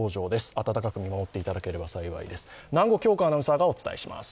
温かく見守っていただければ幸いです。